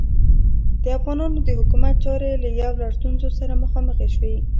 د افغانانو د حکومت چارې له یو لړ ستونزو سره مخامخې شوې.